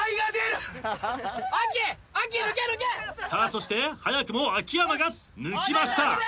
そして早くも秋山が抜きました。